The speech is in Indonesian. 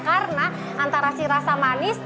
karena antara si rasa manis